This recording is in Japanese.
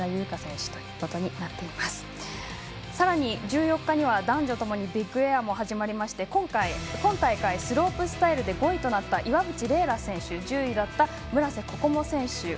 さらに、１４日には男女ともにビッグエアも始まりまして今大会スロープスタイルで５位となった岩渕麗楽選手１０位だった村瀬心椛選手